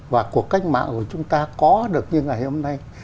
và cuộc cách mạng của chúng ta có được như ngày hôm nay